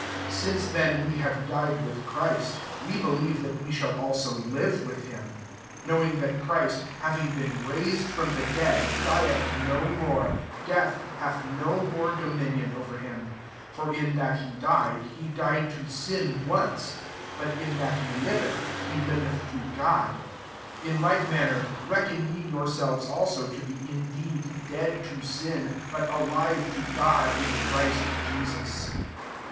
8 Since then we have died with Christ, we believe that we shall also live with him : 9 knowing that Christ, having been raised from the dead, dieth no more ; death hath no more dominion over him. 10 For in that he died, he died to sin, once: but in that he liveth, he liveth to God. 11 In like man j ner, reckon ye yourselves also to be indeed dead to sin, but alive to God, in Christ Jesus.